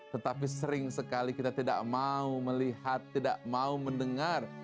tetapi sering sekali kita tidak mau melihat tidak mau mendengar